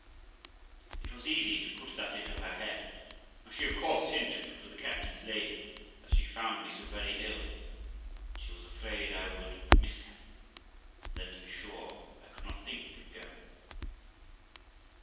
It was easy to put that into her head, and she of course hinted to the captain's lady that she found me so very ill that she was afraid I would miscarry, and then, to be sure, I could not think of going.